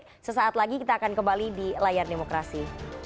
dan kembali lagi kita akan kembali di layar demokrasi